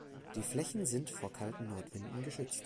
Die Flächen sind vor kalten Nordwinden geschützt.